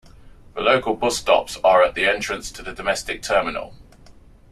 The local bus stops are at the entrance to the domestic terminal.